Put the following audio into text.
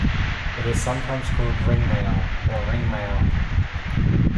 It is sometimes called ringmail or ring mail.